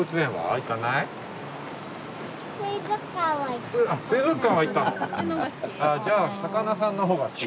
あじゃあ魚さんの方が好き。